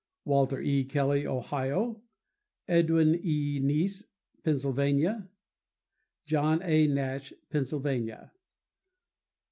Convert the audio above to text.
Walter E. Kelly, Ohio. Edwin A. Niess, Pennsylvania. John A. Nash, Pennsylvania.